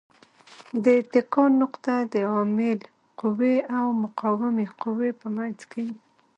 د اتکا نقطه د عامل قوې او مقاومې قوې په منځ کې وي.